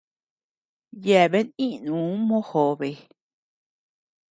Yeabean iʼnuu mojobe.